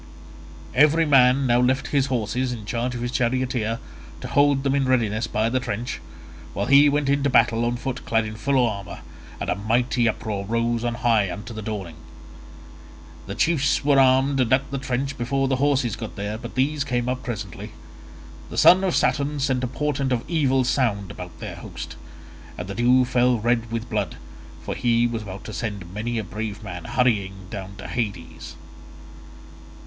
Every man now left his horses in charge of his charioteer to hold them in readiness by the trench, while he went into battle on foot clad in full armour, and a mighty uproar rose on high into the dawning. The chiefs were armed and at the trench before the horses got there, but these came up presently. The son of Saturn sent a portent of evil sound about their host, and the dew fell red with blood, for he was about to send many a brave man hurrying down to Hades.